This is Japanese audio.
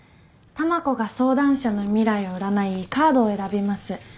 たまこが相談者の未来を占いカードを選びます。